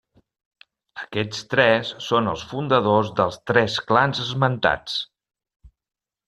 Aquests tres són els fundadors dels tres clans esmentats.